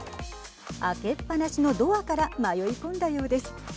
開けっ放しのドアから迷い込んだようです。